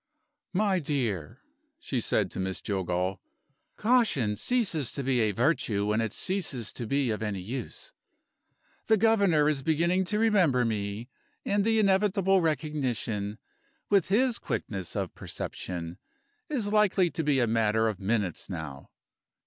"My dear," she said to Miss Jillgall, "caution ceases to be a virtue when it ceases to be of any use. The Governor is beginning to remember me, and the inevitable recognition with his quickness of perception is likely to be a matter of minutes now."